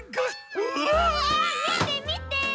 みてみて！